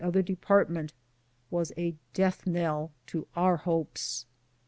267 other department was a death knell to our hopes.